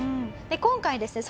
今回ですね